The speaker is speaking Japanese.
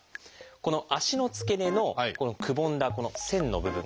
この足の付け根のこのくぼんだこの線の部分。